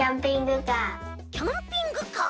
キャンピングカー。